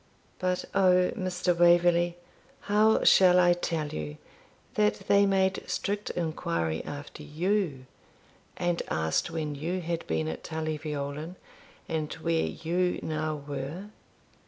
But O! Mr. Waverley, how shall I tell you, that they made strict inquiry after you, and asked when you had been at Tully Veolan, and where you now were.